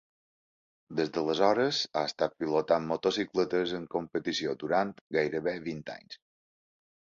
Des d'aleshores ha estat pilotant motocicletes en competició durant gairebé vint anys.